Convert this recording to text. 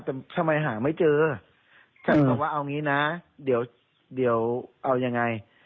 แต่ทำไมหาไม่เจอฉันบอกว่าเอางี้นะเดี๋ยวเอายังไง